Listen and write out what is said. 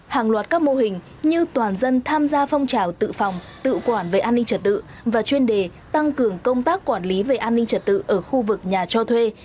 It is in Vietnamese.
hàng loạt các mô hình như toàn dân tham gia phong trào tự phòng tự quản về an ninh trật tự và chuyên đề tăng cường công tác quản lý về an ninh trật tự ở khu vực nhà cho thuê